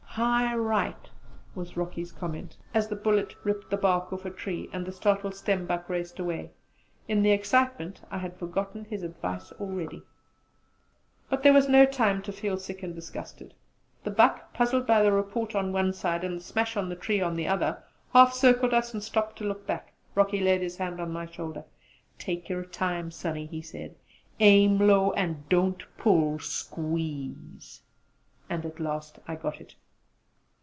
"High: right!" was Rocky's comment, as the bullet ripped the bark off a tree and the startled stembuck raced away. In the excitement I had forgotten his advice already! But there was no time to feel sick and disgusted; the buck, puzzled by the report on one side and the smash on the tree on the other, half circled us and stopped to look back. Rocky laid his hand on my shoulder: "Take your time , Sonny!" he said, "Aim low; an' don't pull! Squeeze!" And at last I got it.